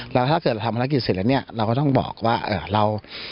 แล้วถ้าเกิดเราทำภารกิจเสร็จแล้วเนี่ยเราก็ต้องบอกว่าเรา